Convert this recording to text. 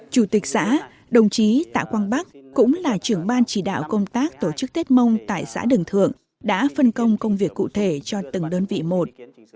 chủ tịch xã đồng chí tạ quang bắc cũng là trưởng ban chỉ đạo công tác tổ chức tết mông tại xã đường thượng đã phân công công việc cụ thể cho từng đơn vị một